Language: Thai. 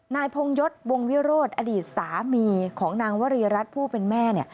นายพงยศวงวิโรธอดีตสามีของนางวรีรัฐผู้เป็นแม่